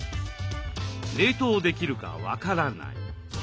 「冷凍できるか分からない」。